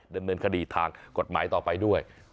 ดำเนินคดีทางกฎหมายต่อไปด้วย